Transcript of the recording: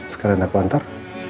sekarang aku antar